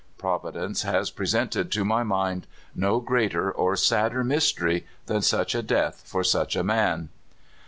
Providence has presented to my mind no greater or sadder mvsterv than such a death for such a man.